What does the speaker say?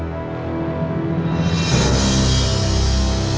tapi kamu lihat padam batangnya